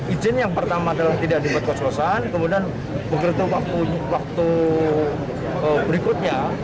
izin yang pertama adalah tidak dibuat kos kosan kemudian beberapa waktu berikutnya